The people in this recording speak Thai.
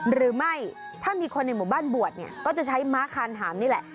หรือไม่ถ้ามีคนในหมู่บ้านบวชเนี่ยก็จะใช้ม้าคานหามนี่แหละ